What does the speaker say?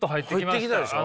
入ってきたでしょ。